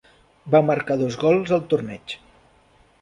Va marcar dos gols al torneig.